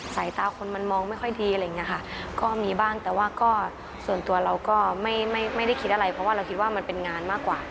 สายตาคนมันมองไม่ค่อยดีอะไรอย่างนี้ค่ะก็มีบ้างแต่ว่าก็ส่วนตัวเราก็ไม่ไม่ได้คิดอะไรเพราะว่าเราคิดว่ามันเป็นงานมากกว่า